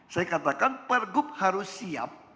saya katakan pergub harus siap